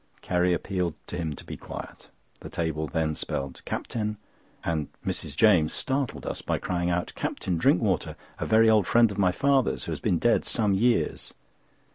Carrie appealed to him to be quiet. The table then spelt "CAPTAIN," and Mrs. James startled us by crying out, "Captain Drinkwater, a very old friend of my father's, who has been dead some years."